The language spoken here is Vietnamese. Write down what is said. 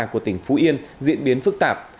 của tỉnh phú yên diễn biến phức tạp